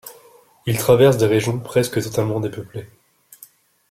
Il traverse des régions presque totalement dépeuplées.